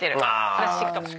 プラスチックとか。